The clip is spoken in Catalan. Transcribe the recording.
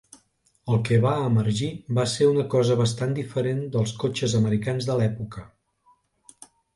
El que va emergir va ser una cosa bastant diferent dels cotxes americans de l'època.